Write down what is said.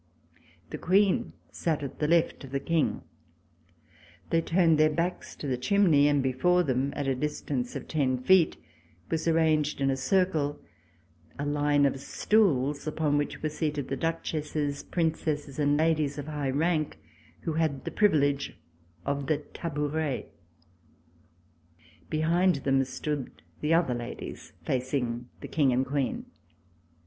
The Queen sat at the left of the King. They turned their backs to the chimney, and before them, at a distance of ten feet, was arranged in a circle a line of stools upon which were seated the Duchesses, Princesses and ladies of high rank who had the privilege of the tabouret. Behind them stood the other ladies, facing the King and Queen.